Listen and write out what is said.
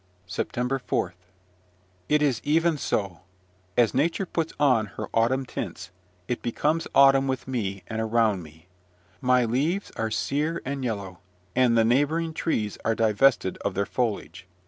SEPTEMBER 4. It is even so! As nature puts on her autumn tints it becomes autumn with me and around me. My leaves are sere and yellow, and the neighbouring trees are divested of their foliage.